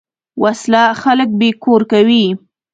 وسله خلک بېکور کوي